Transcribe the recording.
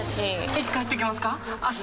いつ帰ってきますか？